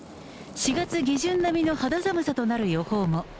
４月下旬並みの肌寒さとなる予報も。